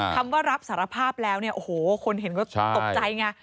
คำว่ารับสารภาพแล้วเนี่ยโอ้โหคนเห็นก็ตกใจไง